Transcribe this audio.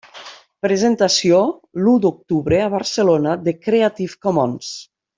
Presentació l'u d'octubre a Barcelona de Creative Commons.